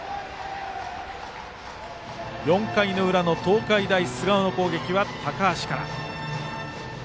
４回の裏の東海大菅生の攻撃は高橋から。